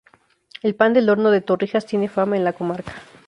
El pan del horno de Torrijas tiene fama en la comarca.